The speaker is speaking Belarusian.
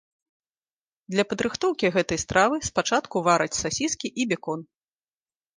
Для падрыхтоўкі гэтай стравы спачатку вараць сасіскі і бекон.